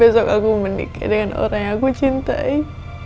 besok aku menikah dengan orang yang aku cintai